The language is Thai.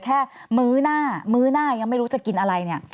แค่มื้อหน้ายังไม่รู้จะกินอะไร